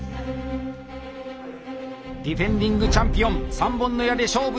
ディフェンディングチャンピオン三本の矢で勝負した島袋。